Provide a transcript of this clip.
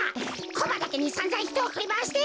コマだけにさんざんひとをふりまわして！